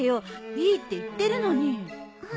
いいって言ってるのに。